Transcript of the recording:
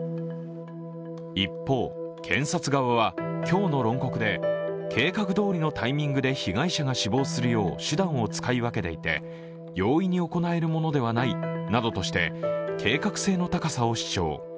一方、検察側は、今日の論告で計画どおりのタイミングで被害者が死亡するよう手段を使い分けていて容易に行えるものではないなどとして計画性の高さを主張。